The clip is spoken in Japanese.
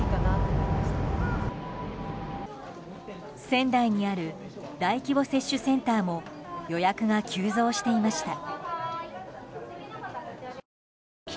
仙台にある大規模接種センターも予約が急増していました。